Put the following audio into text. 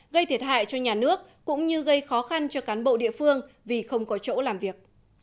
gây thiệt hại cho nhà nước cũng như gây khó khăn cho cán bộ địa phương vì không có chỗ làm việc